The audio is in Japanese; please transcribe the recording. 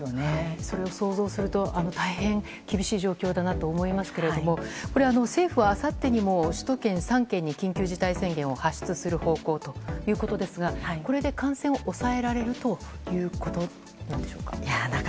それを想像すると大変厳しい状況だなと思いますけどこれは政府はあさってにも首都圏３県に緊急事態宣言を発出する方向ということですがこれで感染を抑えられるということなんでしょうか。